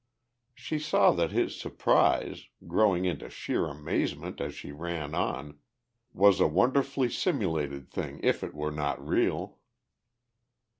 She saw that his surprise, growing into sheer amazement as she ran on, was a wonderfully simulated thing if it were not real.